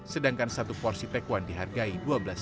sedangkan satu porsi taekwond dihargai dua belas rupiah